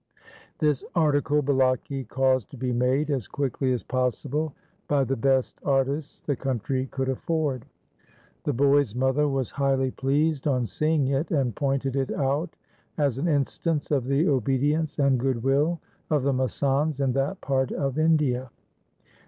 This article Bulaki caused LIFE OF GURU TEG BAHADUR 365 to be made as quickly as possible by the best artists the country could afford. The boy's mother was highly pleased on seeing it, and pointed it out as an instance of the obedience and good will of the masands in that part of India.